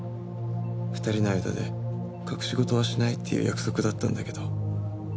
２人の間で隠し事はしないっていう約束だったんだけど。